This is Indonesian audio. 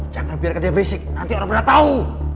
jangan biarkan dia berisik nanti orang bener tau